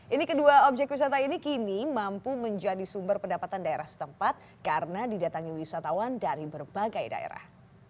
ini kedua objek wisata ini kini mampu menjadi sumber pendapatan daerah setempat karena didatangi wisatawan dari berbagai daerah